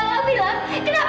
kamila kamu juga tega